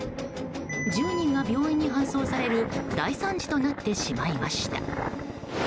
１０人が病院に搬送される大惨事となってしまいました。